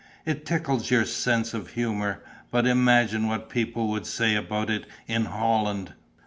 It tickles your sense of humour, but imagine what people would say about it in Holland!...